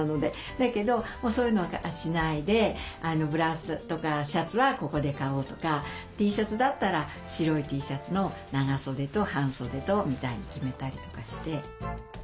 だけどもうそういうのはしないでブラウスとかシャツはここで買おうとかＴシャツだったら白いＴシャツの長袖と半袖とみたいに決めたりとかして。